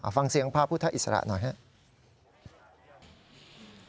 ฟังเสียงพระพุทธอิสระหน่อยครับ